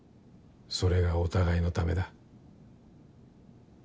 それがお互いのためだ。